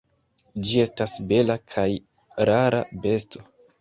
Ĝi estas bela kaj rara besto.